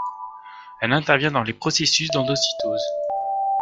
Elle intervient dans les processus d'endocytose.